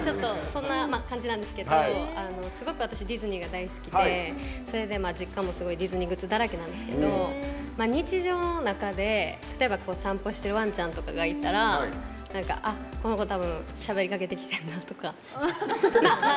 そんな感じなんですけどすごく私ディズニーが大好きでそれで実家もすごいディズニーグッズだらけなんですけど日常の中で、例えば散歩してるワンちゃんとかがいたらあ、この子、多分しゃべりかけてきてるなとか。